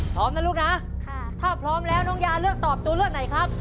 พร้อมนะลูกนะถ้าพร้อมแล้วน้องยาเลือกตอบตัวเลือกไหนครับ